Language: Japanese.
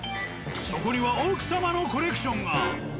そこには奥様のコレクションが。